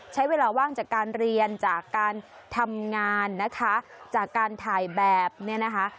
ใช้เวลาว่างจากการเรียนจากการทำงานนะคะจากการถ่ายแบบเนี่ยนะคะ